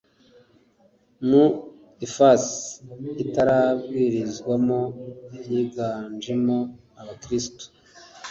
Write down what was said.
mu ifasi itarabwirizwamo yiganjemo abakirisito